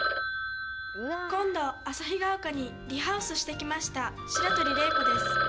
「今度あさひヶ丘にリハウスしてきました白鳥麗子です」